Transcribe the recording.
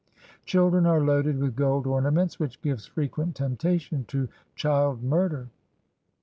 Children are loaded with gold ornaments, which gives frequent temptation to child murder.